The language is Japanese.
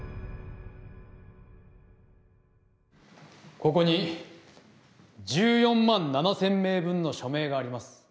ここに１４万７０００名分の署名があります。